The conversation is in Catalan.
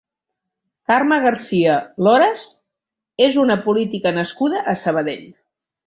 Carme García Lores és una política nascuda a Sabadell.